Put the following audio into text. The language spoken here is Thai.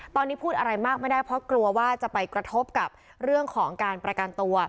ตอนนี้พูดอะไรมากไม่ได้เพราะกลัวว่าจะไปกระทบกับเรื่องของการประกันตัว